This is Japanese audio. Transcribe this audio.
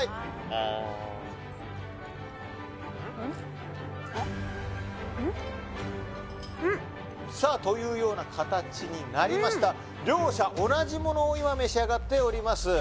あーんさあというような形になりました両者同じものを今召し上がっております